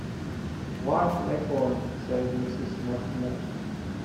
White Leghorns, said Mrs Mortimer.